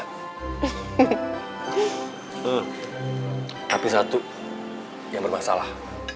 tapi satu yang bermasalah